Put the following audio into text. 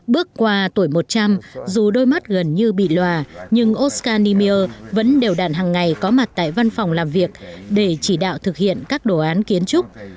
bước qua tuổi một trăm linh dù đôi mắt gần như bị lòa nhưng oscar niemeyer vẫn đều đàn hằng ngày có mặt tại văn phòng làm việc để chỉ đạo thực hiện các đồ án kiến trúc